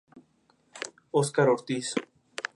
De recorrido quebrado y anchura variable.